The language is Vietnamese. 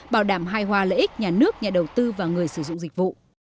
bảo đảm hai hoa lợi ích nhà nước nhà đầu tư và người sử dụng dịch vụ